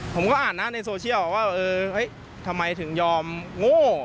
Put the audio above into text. ผมก็อ่านนะในโซเชียลว่าเออเฮ้ยทำไมถึงยอมโง่